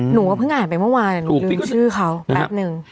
หนูก็เพิ่งอ่านไปเมื่อวานหนูลืมชื่อเขาแป๊บนึง